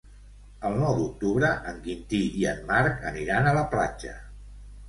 El nou d'octubre en Quintí i en Marc aniran a la platja.